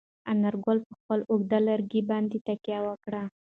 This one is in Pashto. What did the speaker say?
انارګل په خپل اوږد لرګي باندې تکیه وکړه.